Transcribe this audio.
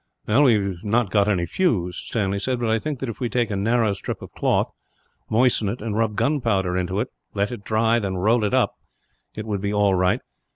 "We have not got any fuse," Stanley said, "but I think that if we take a narrow strip of cloth, moisten it, and rub gunpowder into it; let it dry, and then roll it up, it would be all right.